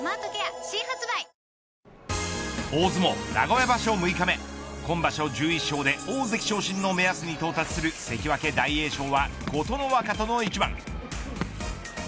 大相撲名古屋場所六日目今場所１１勝で大関昇進の目安に到達する関脇、大栄翔は琴ノ若との一番。